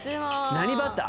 何バター？